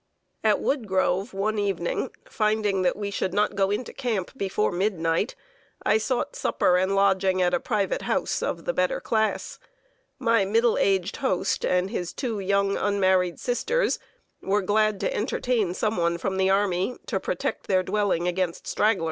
At Woodgrove, one evening, finding that we should not go into camp before midnight, I sought supper and lodging at a private house of the better class. My middle aged host and his two young, unmarried sisters, were glad to entertain some one from the army, to protect their dwelling against stragglers.